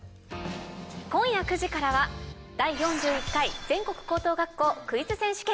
今夜９時からは『第４１回全国高等学校クイズ選手権』。